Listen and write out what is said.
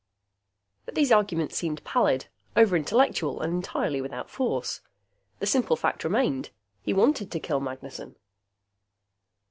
But these arguments seemed pallid, over intellectual and entirely without force. The simple fact remained he wanted to kill Magnessen.